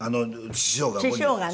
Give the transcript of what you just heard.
師匠が。